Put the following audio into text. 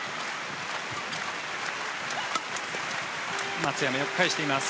松山、よく返しています。